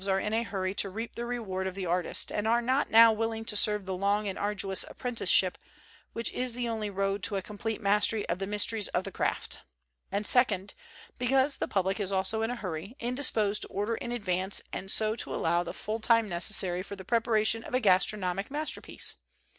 i are in a hurry to reap the reward of the artist, and are not now willing to serve the long and arduous apprcn tin ship which is the only road to a complete mastery of the mysli TH S of tin craft. And, second, because the public i in a hurry, indisposed to order in advance and 191 COSMOPOLITAN COOKERY so to allow the full time necessary for the preparation of a gastronomic masterpiece.